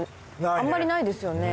あんまりないですよね？